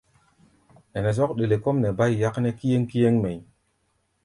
Ɛnɛ zɔ́k ɗele kɔ́ʼm nɛ bá yi yáknɛ́ kíéŋ-kíéŋ mɛʼí̧.